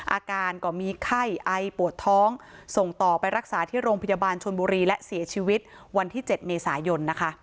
อาการก็มีไข้ไอปวดท้องส่งต่อไปรักษาที่โรงพยาบาลชนบุรีและเสียชีวิตวันที่๗เมษายนนะคะ